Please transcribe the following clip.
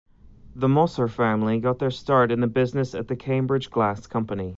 The Mosser family got their start in the business at the Cambridge Glass Company.